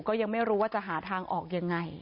ก็ยังไม่รู้ว่าจะหาทางออกยังไง